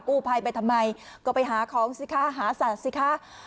กู้ภัยไปทำไมก็ไปหาของสิคะหาสัตว์สิคะ